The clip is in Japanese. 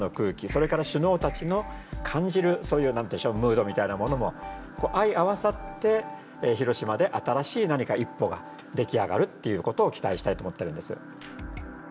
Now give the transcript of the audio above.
それから首脳たちの感じるそういう何て言うんでしょうムードみたいなものもあい合わさって広島で新しい何か一歩が出来上がるっていうことを期待したいと思ってるんです。